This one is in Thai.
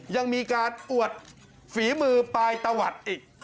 ยังมีการอวดฝีมือปลายตะวัดอีก